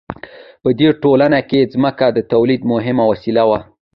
په دې ټولنه کې ځمکه د تولید مهمه وسیله وه.